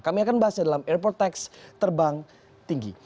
kami akan bahasnya dalam airport tax terbang tinggi